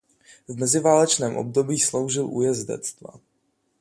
V meziválečném období sloužil u jezdectva.